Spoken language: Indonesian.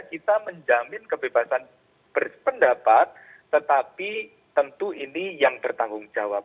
kita menjamin kebebasan berpendapat tetapi tentu ini yang bertanggung jawab